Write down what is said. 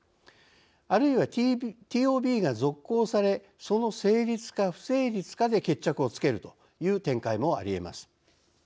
あるいはＴＯＢが続行されその成立か不成立かで決着をつけるという展開もありえます。